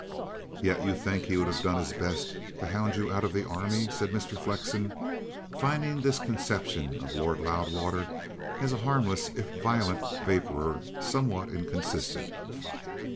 "Yet you think that he would have done his best to hound you out of the Army?" said Mr. Flexen, finding this conception of Lord Loudwater as a harmless, if violent, vapourer somewhat inconsistent.